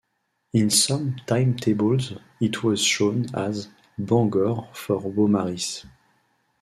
In some timetables it was shown as "Bangor for Beaumaris".